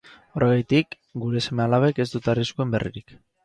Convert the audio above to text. Horregatik, gure seme-alabek ez dute arriskuen berririk.